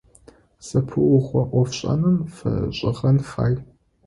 Зэпыугъо IофшIэным фэшIыгъэн фай.